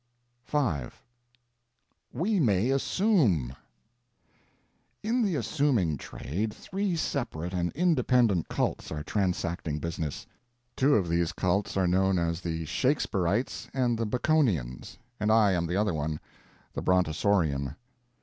V "WE MAY ASSUME" In the Assuming trade three separate and independent cults are transacting business. Two of these cults are known as the Shakespearites and the Baconians, and I am the other one—the Brontosaurian.